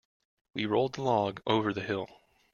We rolled the log over the hill.